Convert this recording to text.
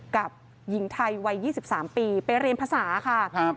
กับหญิงไทยวัยยี่สิบสามปีไปเรียนภาษาค่ะครับ